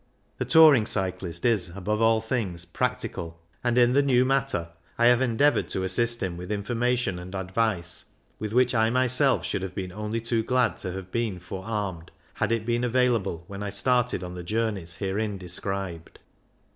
The touring cyclist is above all things practical, and in the new matter I have endeavoured to assist him with information and advice with which I myself should have been only too glad to have been forearmed, had it been available, when I started on the journeys herein described.